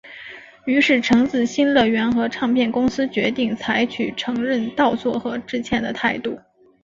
于是橘子新乐园和唱片公司决定采取承认盗作和致歉的态度。